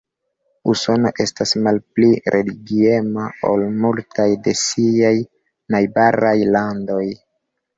Usono estas malpli religiema ol multaj de siaj najbaraj landoj.